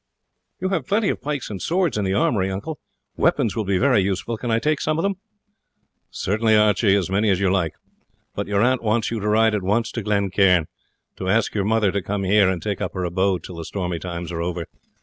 "You have plenty of pikes and swords in the armoury, uncle; weapons will be very useful; can I take some of them?" "Certainly, Archie, as many as you like. But your aunt wants you to ride at once to Glen Cairn, to ask your mother to come over here and take up her abode till the stormy times are over.